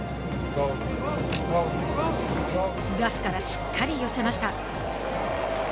ラフからしっかり寄せました。